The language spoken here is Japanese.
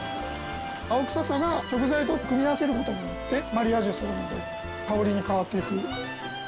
青臭さが食材と組み合わせる事によってマリアージュするので香りに変わっていく。